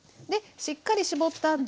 でしっかり絞った